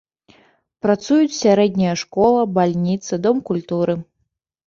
Працуюць сярэдняя школа, бальніца, дом культуры.